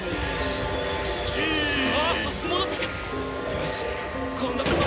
よし今度こそ！